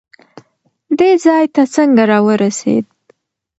دې ځای ته څنګه راورسېد؟